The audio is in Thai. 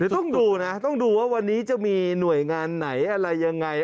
ต้องดูนะต้องดูว่าวันนี้จะมีหน่วยงานไหนอะไรยังไง